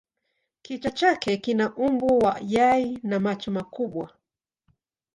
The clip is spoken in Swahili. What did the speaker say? Kichwa chake kina umbo wa yai na macho makubwa.